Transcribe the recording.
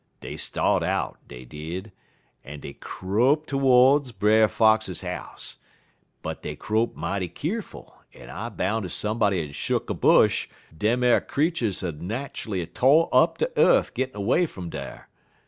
Dey start out, dey did, en dey crope todes Brer Fox house, but dey crope mighty keerful, en I boun' ef somebody'd 'a' shuck a bush, dem ar creeturs 'ud 'a' nat'ally to' up de ye'th gittin' 'way fum dar.